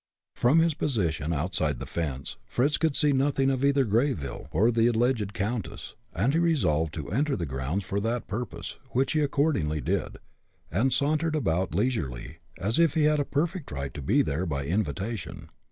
From his position outside the fence Fritz could see nothing of either Greyville or the alleged countess, and he resolved to enter the grounds for that purpose, which he accordingly did, and sauntered about leisurely, as if he had a perfect right there by invitation.